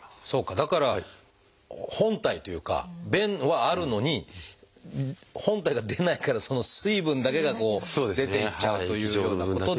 だから本体というか便はあるのに本体が出ないからその水分だけがこう出て行っちゃうということで。